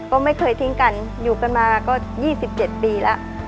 ก็ไม่เคยทิ้งกันอยู่กันมาก็๒๗ปีแล้ว